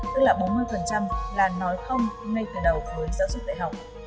tức là bốn mươi là nói không ngay từ đầu với giáo dục đại học